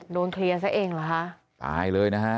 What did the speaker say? โดนเคลียร์ซะเองเหรอคะตายเลยนะฮะ